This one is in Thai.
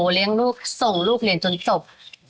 เลี้ยงลูกส่งลูกเรียนจนจบ